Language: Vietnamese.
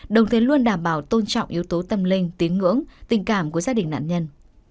đồng thời luôn đảm bảo tôn trọng yếu tố tâm linh tín ngưỡng tình cảm của gia đình nạn nhân